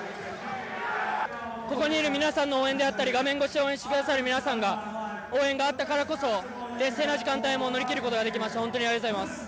ここにいる皆さんの応援であったり、画面越しで応援してくださる皆さんが、応援があったからこそ、劣勢な時間帯も乗り切ることができました。